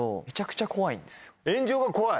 炎上が怖い？